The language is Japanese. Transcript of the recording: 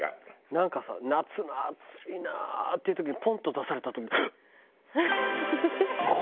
なんかさ夏の暑いなっていう時にポンッと出された時ハッ！